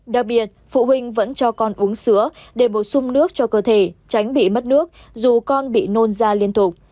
đặc biệt phụ huynh vẫn cho con uống sữa để bổ sung nước cho cơ thể tránh bị mất nước dù con bị nôn da liên tục